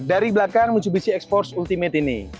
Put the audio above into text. dari belakang mitsubishi x force ultimate ini